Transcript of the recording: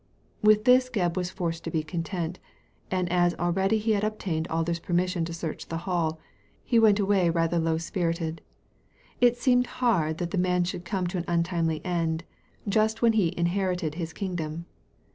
With this Gcbb was forced to be content; and as already he had obtained Alder's permission to search the Hall, he went away rather low*spirited. It seemed hard that the man should come to an untimely end, just when he inherited his kingdom.